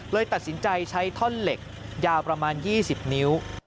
ตัดสินใจใช้ท่อนเหล็กยาวประมาณ๒๐นิ้ว